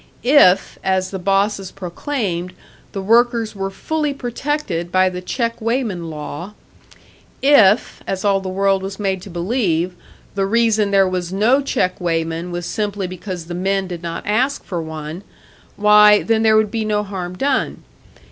If, as the bosses proclaimed, the workers were fully protected by the check weighman law; if, as all the world was made to believe, the reason there was no check weighman was simply because the men did not ask for one why, then there would be no harm done.